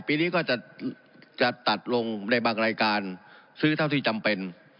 ปีนี้ก็จะตัดลงในบางรายการซื้อเท่าที่จำเป็น